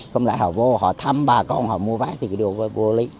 không lại họ vô họ thăm bà con họ mua váy thì cái đồ vô lý